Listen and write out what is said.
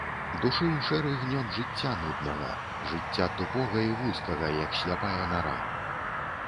Душыў шэры гнёт жыцця нуднага, жыцця тупога і вузкага, як сляпая нара.